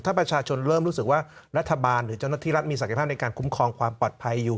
ถ้าประชาชนเริ่มรู้สึกว่ารัฐบาลหรือเจ้าหน้าที่รัฐมีศักยภาพในการคุ้มครองความปลอดภัยอยู่